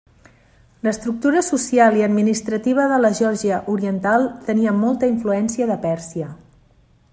L'estructura social i administrativa de la Geòrgia oriental tenia molta influència de Pèrsia.